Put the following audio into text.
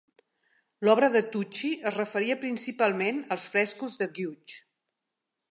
L'obra de Tucci es referia principalment als frescos de Guge.